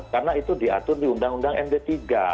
karena itu diatur di undang undang mdt